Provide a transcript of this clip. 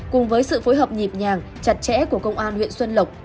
cùng với sự phối hợp nhịp nhàng chặt chẽ của công an huyện xuân lộc